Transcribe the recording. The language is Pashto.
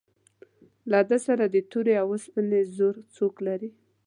له ده سره د تورې او سپینې زور څوک لري.